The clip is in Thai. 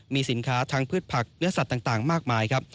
มีสินค้าทั้งพืชผักเนื้อสัตว์ต่างมากมายครับ